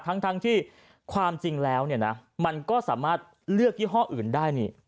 มันเป็นทางที่ความจริงแล้วมันสามารถเลือกยี่หออื่นได้